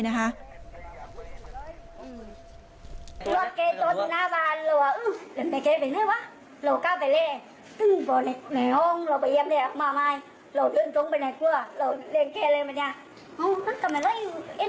บอกไหนห้องเราไปเยี่ยมเนี่ยมาเราเดินตรงไปไหนกลัวเราเรียงแค่เรียงแบบเนี่ย